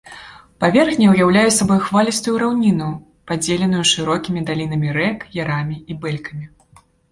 Паверхня ўяўляе сабой хвалістую раўніну, падзеленую шырокімі далінамі рэк, ярамі і бэлькамі.